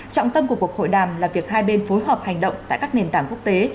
trọng tâm của cuộc hội đàm là việc hai bên phối hợp hành động tại các nền tảng quốc tế